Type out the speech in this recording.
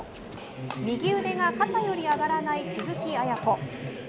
右腕が肩より上がらない鈴木亜弥子。